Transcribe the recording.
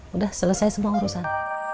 udah selesai semua urusan